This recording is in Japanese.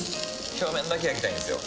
表面だけ焼きたいんですよ。